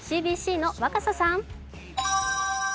ＣＢＣの若狭さん。